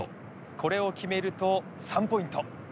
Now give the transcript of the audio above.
これを決めると３ポイント。